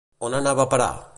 On anava a parar?